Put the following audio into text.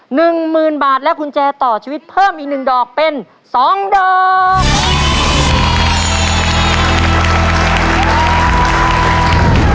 หนึ่งหมื่นบาทและกุญแจต่อชีวิตเพิ่มอีกหนึ่งดอกเป็นสองดอก